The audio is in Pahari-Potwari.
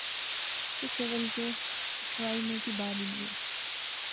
تو چول جئے ٹھوائی میں کی بہار ہنی گئے